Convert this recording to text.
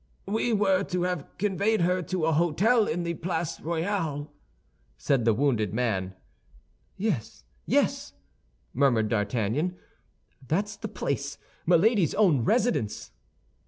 "We were to have conveyed her to a hôtel in the Place Royale," said the wounded man. "Yes, yes!" murmured D'Artagnan; "that's the place—Milady's own residence!"